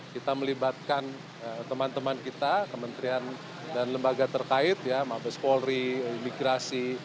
kita melibatkan teman teman kita kementerian dan lembaga terkait ya mabes polri imigrasi